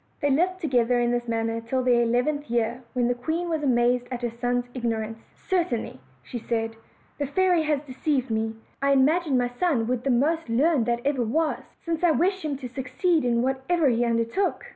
They lived together in this manner till their eleventh year, when the queen was amazed at her son's ignorance. "Certainly," said she, "the fairy has deceived me. I imagined my son would the most learned that ever was, since I wished him to succeed in whatever he under took."